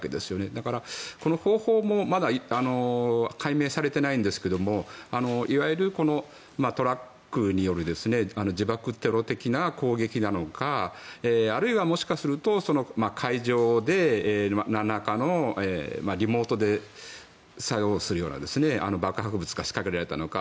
だから、この方法もまだ解明されていないんですがいわゆるトラックによる自爆テロ的な攻撃なのかあるいはもしかすると、海上でなんらかのリモートで作用するような爆発物が仕掛けられたのか。